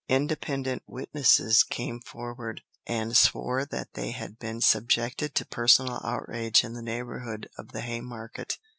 Independent witnesses came forward, and swore that they had been subjected to personal outrage in the neighbourhood of the Haymarket.